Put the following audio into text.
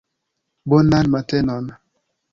Bonan matenon.